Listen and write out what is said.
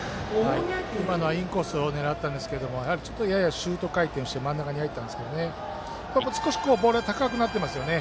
今のはインコースを狙ったんですけどややシュート回転をして真ん中に入ったんですけど少しボールが高くなってますよね。